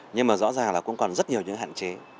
nhưng mà rõ ràng là cũng còn rất nhiều những hạn chế